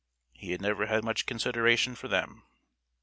He had never had much consideration for them.